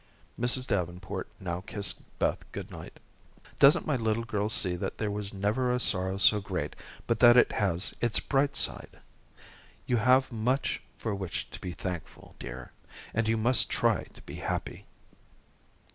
Mrs. Davenport now kissed Beth good night. "Doesn't my little girl see that there never was a sorrow so great but that it has its bright side? You have much for which to be thankful, dear, and you must try to be happy."